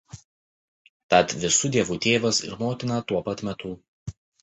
Tat visų dievų Tėvas ir Motina tuo pat metu.